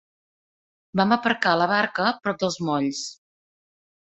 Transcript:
Vam aparcar la barca prop dels molls.